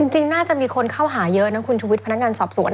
จริงน่าจะมีคนเข้าหาเยอะนะคุณชุวิตพนักงานสอบสวน